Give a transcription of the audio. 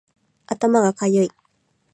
頭がかゆい